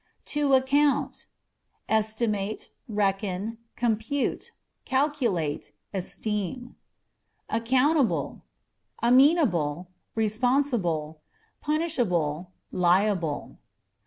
To Account â€" estimate, reckon, compute, calculate, esteem. Accountable â€" amenable, responsible, punishable, liable.